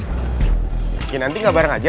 oke nanti gabareng aja